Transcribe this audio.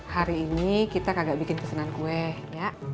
hari ini kita kagak bikin pesenan kue ya